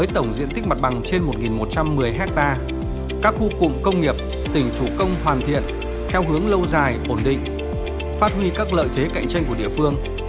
trên một một trăm một mươi hectare các khu cụm công nghiệp tỉnh chủ công hoàn thiện theo hướng lâu dài ổn định phát huy các lợi thế cạnh tranh của địa phương